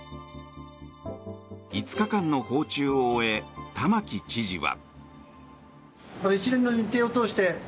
５日間の訪中を終え玉城知事は。